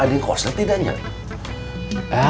ada yang koslet tidak nyet